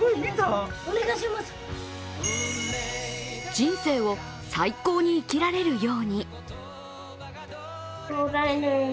人生を最高に生きられるように。